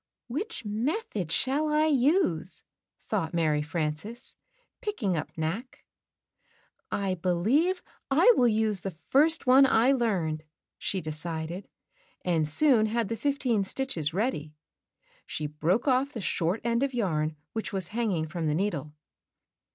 "Which method shall I use?" thought Mary Frances, picking up Knack. ''I believe I will use the'^Yig, first one I learned," she decided, and soon had the fifteen stitches ready. She broke off the short end of yarn which was hanging from the needle.